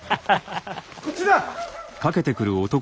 ・こっちだ！